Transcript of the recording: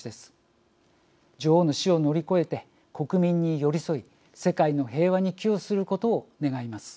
女王の死を乗り越えて国民に寄り添い世界の平和に寄与することを願います。